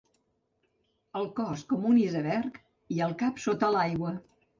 El cos com un iceberg i el cap sota l'aigua.